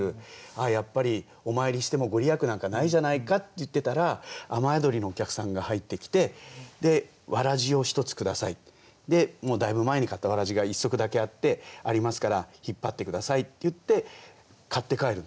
「やっぱりお参りしても御利益なんかないじゃないか」って言ってたら雨宿りのお客さんが入ってきてだいぶ前に買ったわらじが１足だけあって「ありますから引っ張って下さい」って言って買って帰るんです。